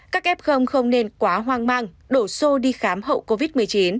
các f không nên quá hoang mang đổ xô đi khám hậu covid một mươi chín